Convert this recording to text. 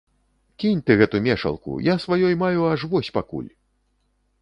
Кінь ты гэту мешалку, я сваёй маю аж вось пакуль!